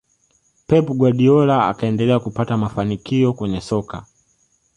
pep guardiola akaendelea kupata mafanikio kwenye soka